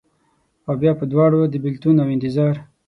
اوبیا په دواړو، د بیلتون اوانتظار